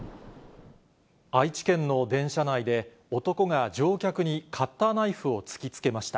愛知県の電車内で、男が乗客にカッターナイフを突きつけました。